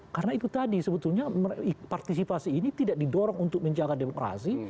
karena itu tadi sebetulnya partisipasi ini tidak didorong untuk menjaga demokrasi